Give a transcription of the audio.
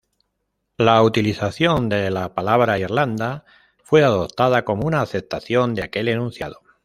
La utilización de la palabra 'Irlanda' fue adoptada como una aceptación de aquel enunciado.